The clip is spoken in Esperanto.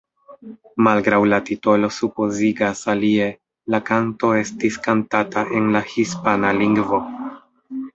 Malgraŭ la titolo supozigas alie, la kanto estis kantata en la hispana lingvo.